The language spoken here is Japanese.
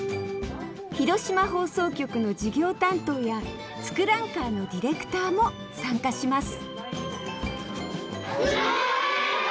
広島放送局の事業担当や「ツクランカー」のディレクターも参加しますお！